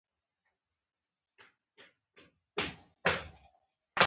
انسان د احسان تابع ده